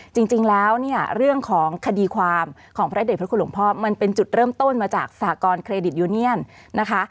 จริงแล้วเนี่ยเรื่องของคดีความของพระเด็จพระคุณหลวงพ่อมันเป็นจุดเริ่มต้นมาจากสหกรณเครดิตยูเนียนนะคะ